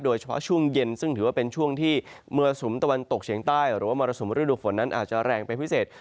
โดยเฉพาะช่วงเย็นซึ่งถือว่าเป็นช่วงที่มรสุมตะวันตกเฉียงใต้หรือว่ามรสุมฤดูฝนนั้นอาจจะแรงเป็นพิเศษ